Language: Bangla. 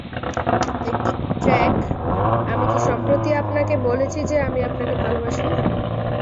একটি ট্র্যাক, আমি কি সম্প্রতি আপনাকে বলেছি যে আমি আপনাকে ভালবাসি?